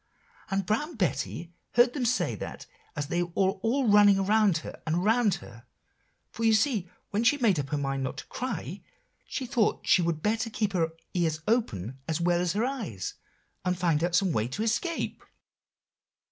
"And Brown Betty heard them say that as they were all running around and around her; for you see when she made up her mind not to cry, she thought she would better keep her ears open as well as her eyes, and find out some way to escape."